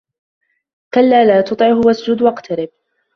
كَلَّا لَا تُطِعْهُ وَاسْجُدْ وَاقْتَرِبْ